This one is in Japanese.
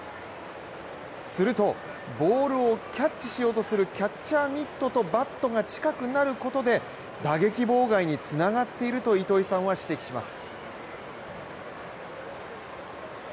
すると、ボールをキャッチしようとするキャッチャーミットとバットが近くなることで、打撃妨害につながっていると糸井さんは指摘します。